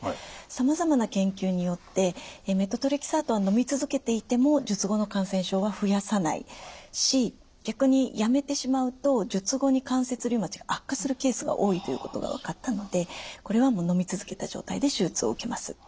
さまざまな研究によってメトトレキサートはのみ続けていても術後の感染症は増やさないし逆にやめてしまうと術後に関節リウマチが悪化するケースが多いということが分かったのでこれはもうのみ続けた状態で手術を受けます。